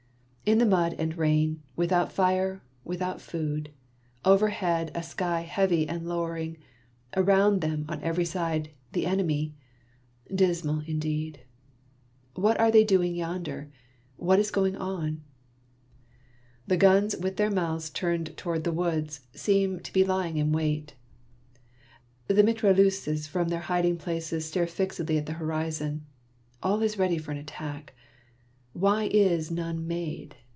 In the mud and rain, without fire, without food, over head a sky heavy and lowering — around them, on every side, the enemy ! Dismal indeed ! What are they doing yonder? What is going on? The guns, their mouths turned towards the woods, seem to be lying in wait. The mitrail leuses from their hiding places stare fixedly at the horizon. All is ready for an attack. Why is none made